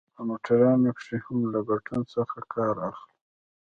په موټرانو کښې هم له پټن څخه کار اخلو.